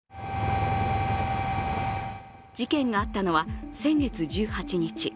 事件があったのは先月１８日。